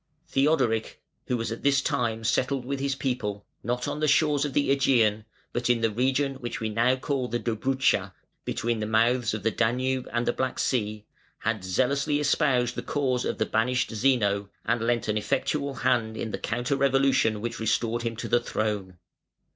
Theodoric, who was at this time settled with his people, not on the shores of the Ægean, but in the region which we now call the Dobrudscha, between the mouths of the Danube and the Black Sea, had zealously espoused the cause of the banished Zeno, and lent an effectual hand in the counter revolution which restored him to the throne (478).